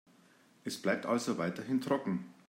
Es bleibt also weiterhin trocken.